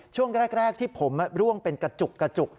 ช่วงแรกที่ผมร่วงเป็นกระจุก